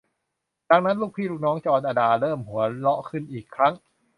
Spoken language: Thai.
ดังนั้น ลูกพี่ลูกน้องจอร์น อดาเริ่มหัวเราะขึ้นอีกครั้ง